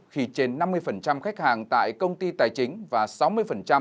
khi trên năm mươi khách hàng tại công ty tài chính và sáu mươi tài chính